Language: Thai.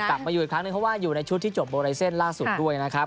กลับมาอยู่อีกครั้งหนึ่งเพราะว่าอยู่ในชุดที่จบโบไลเซ็นต์ล่าสุดด้วยนะครับ